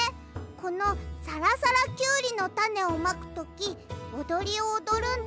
この「さらさらキュウリ」のタネをまくときおどりをおどるんだ。